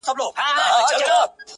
له مرغکیو به وي هیري مورنۍ سندري!!